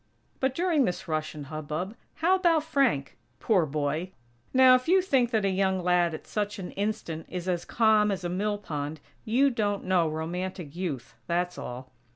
But, during this rush and hubbub, how about Frank? Poor boy! Now, if you think that a young lad at such an instant is as calm as a mill pond, you don't know romantic Youth, that's all.